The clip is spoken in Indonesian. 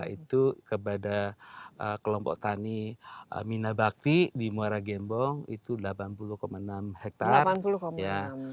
itu kepada kelompok tani minabakti di muara gembong itu delapan puluh enam hektare